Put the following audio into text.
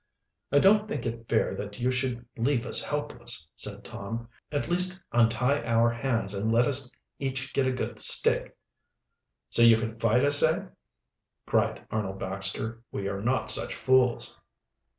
"I don't think it fair that you should leave us helpless," said Tom. "At least untie our hands and let us each get a good stick." "So you can fight us, eh?" cried Arnold Baxter. "We are not such fools."